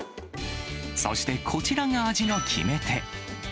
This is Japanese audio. そしてこちらが味の決め手。